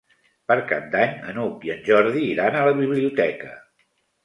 Per Cap d'Any n'Hug i en Jordi iran a la biblioteca.